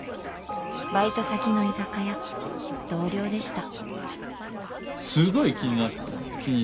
バイト先の居酒屋同僚でした。